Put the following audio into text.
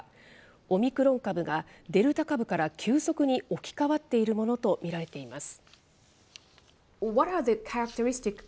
オミクロン株がデルタ株から急速に置き換わっているものと見られています。